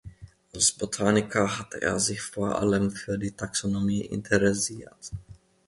Als Botaniker hatte er sich vor allem für die Taxonomie interessiert.